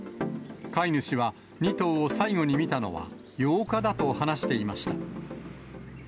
飼い主は２頭を最後に見たのは、８日だと話していました。